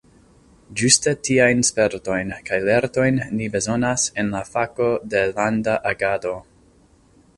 Ĝuste tiajn spertojn kaj lertojn ni bezonas en la fako de Landa Agado!